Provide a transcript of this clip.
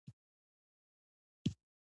روسیه او هېوادونه یې ترهولي وو.